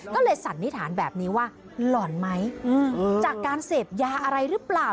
ก็เลยสันนิษฐานแบบนี้ว่าหล่อนไหมจากการเสพยาอะไรหรือเปล่า